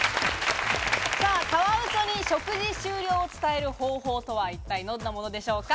カワウソに食事終了を伝える方法とは、一体どんなものでしょうか？